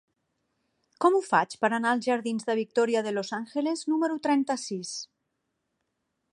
Com ho faig per anar als jardins de Victoria de los Ángeles número trenta-sis?